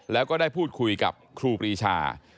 แล้วก็ได้พูดคุยกับครูปรีชา